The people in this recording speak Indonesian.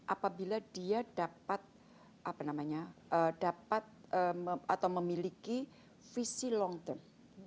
apabila dia dapat atau memiliki visi long term